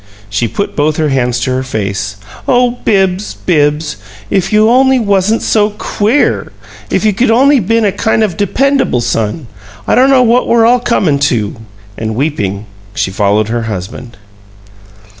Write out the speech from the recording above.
She put both her hands over her face. "Oh, Bibbs, Bibbs! if you only wasn't so QUEER! If you could only been a kind of dependable son! I don't know what we're all comin' to!" And, weeping, she followed her husband.